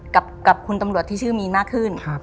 กับคุณตำรวจที่ชื่อมีนมากขึ้น